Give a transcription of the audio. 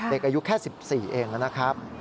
เด็กอายุแค่๑๔เองนะครับ